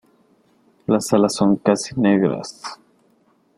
Las alas son casi negras.